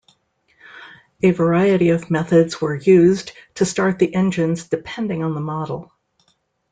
A variety of methods were used to start the engines depending on the model.